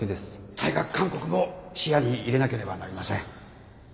退学勧告も視野に入れなければなりません